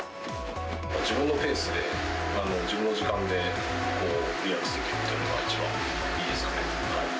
自分のペースで、自分の時間でリラックスできるっていうのが一番いいですかね。